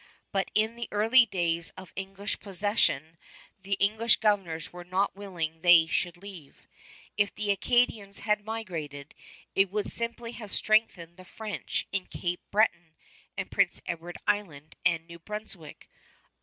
But in the early days of English possession the English governors were not willing they should leave. If the Acadians had migrated, it would simply have strengthened the French in Cape Breton and Prince Edward Island and New Brunswick.